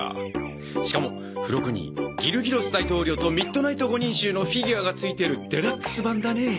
しかも付録にギルギロス大統領とミッドナイト五人衆のフィギュアがついてるデラックス版だねえ。